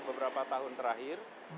beberapa tahun terakhir